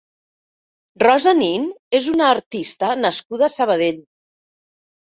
Rosa Nin és una artista nascuda a Sabadell.